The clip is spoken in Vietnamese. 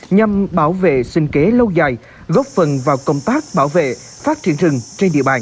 nhằm bảo vệ sinh kế lâu dài góp phần vào công tác bảo vệ phát triển rừng trên địa bàn